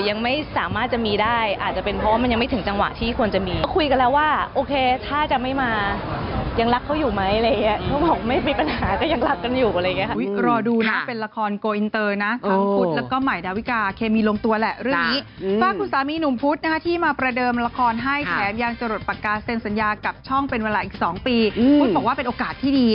เขาอยู่ไหมอะไรอย่างเงี้ยเขาบอกไม่มีปัญหาก็ยังรักกันอยู่อะไรอย่างเงี้ยค่ะ